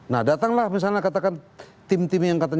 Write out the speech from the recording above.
nah datanglah misalnya katakan tim tim yang katanya